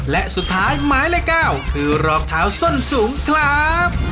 และสุดท้ายหมายเลข๙คือรองเท้าส้นสูงครับ